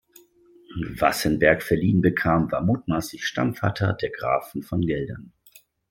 Wassenberg verliehen bekam, war mutmaßlich Stammvater der Grafen von Geldern.